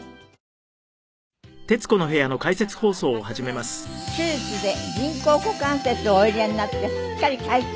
今日のお客様は昨年手術で人工股関節をお入れになってすっかり快調。